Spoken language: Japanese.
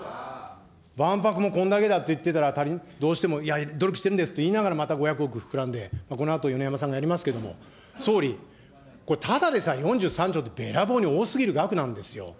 万博もこんだけだって言ってたら、どうしても、いや、努力してるんですと言いながら、また５００億膨らんで、このあと米山さんがやりますけれども、総理、これただでさえ４３兆ってべらぼうに多すぎる額なんですよ。